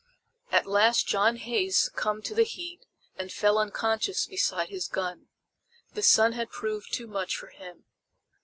At last John Hays succumbed to the heat and fell unconscious beside his gun. The sun had proved too much for him.